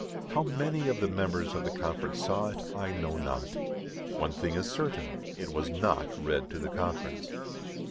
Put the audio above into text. How many of the members of the conference saw it, I know not. One thing is certain, it was not read to the conference.